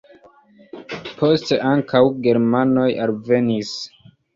Poste ankaŭ germanoj alvenis.